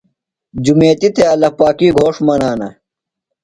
جُمیتیۡ تھےۡ اللہ پاکی گھوݜٹ منانہ۔